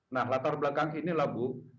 nah latar belakang ini lah bu